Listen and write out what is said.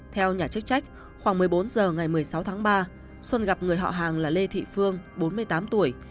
theo nhà chức trách khoảng một mươi bốn h ngày một mươi sáu tháng ba xuân gặp người họ hàng là lê thị phương bốn mươi tám tuổi